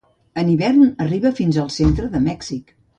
En hivern arriba fins al centre de Mèxic.